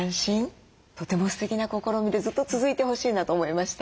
とてもすてきな試みでずっと続いてほしいなと思いました。